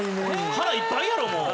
腹いっぱいやろもう。